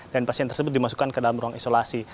dan pasien tersebut dimasukkan ke dalam ruang isolasi